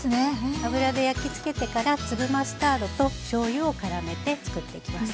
油で焼き付けてから粒マスタードとしょうゆをからめて作っていきます。